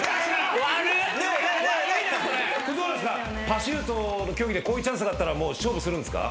パシュートの競技でこういうチャンスがあったら勝負するんすか？